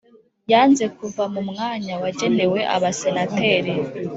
yanze kuva mu mwanya wagenewe abasenateri